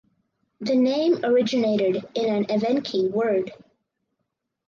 The name originated in an Evenki word.